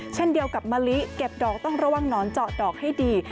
เช่นเดียวกับมะลิเก็บดอกต้องระวังหนอนเจาะดอกให้ดี